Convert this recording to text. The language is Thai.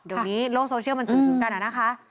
เดี๋ยวนี้โลกโซเชียลมันสื่อถึงกันอะนะคะ